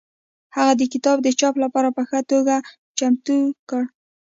هغه دا کتاب د چاپ لپاره په ښه توګه چمتو کړ.